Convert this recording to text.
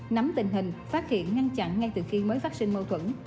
nắm tình hình phát hiện ngăn chặn ngay từ khi mới phát sinh mâu thuẫn